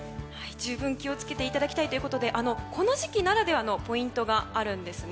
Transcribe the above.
十分に気を付けていただきたいということでこの時期ならではのポイントがあります。